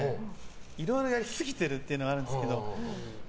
いろいろやりすぎてるというのがあるんですけど。